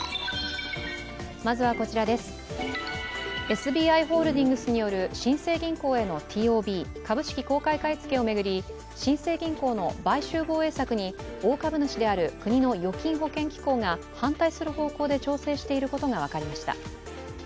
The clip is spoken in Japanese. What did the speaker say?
ＳＢＩホールディングスによる新生銀行へのＴＯＢ＝株式公開買い付けを巡り新生銀行の買収防衛策に大株主である国の預金保険機構が反対する方向で調整していることが分かりました。